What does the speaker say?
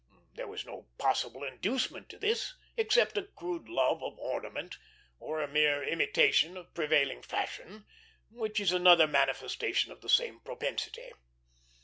There was no possible inducement to this except a crude love of ornament, or a mere imitation of a prevailing fashion, which is another manifestation of the same propensity.